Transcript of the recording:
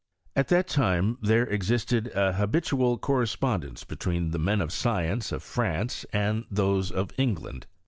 At that time there existed an habitual correspondence between the men of science of France and those of England.